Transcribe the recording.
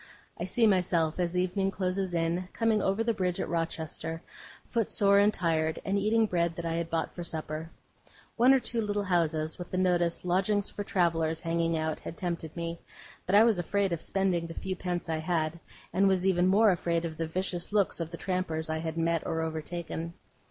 I see myself, as evening closes in, coming over the bridge at Rochester, footsore and tired, and eating bread that I had bought for supper. One or two little houses, with the notice, 'Lodgings for Travellers', hanging out, had tempted me; but I was afraid of spending the few pence I had, and was even more afraid of the vicious looks of the trampers I had met or overtaken.